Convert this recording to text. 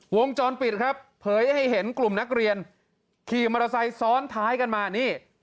วงจรปิดครับเผยให้เห็นกลุ่มนักเรียนขี่มอเตอร์ไซค์ซ้อนท้ายกันมานี่